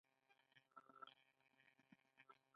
بوشهر بل مهم بندر دی.